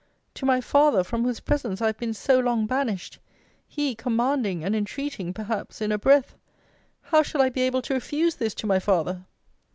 To my father, from whose presence I have been so long banished! He commanding and entreating, perhaps, in a breath! How shall I be able to refuse this to my father?